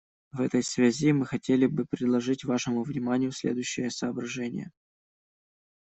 В этой связи мы хотели бы предложить вашему вниманию следующие соображения.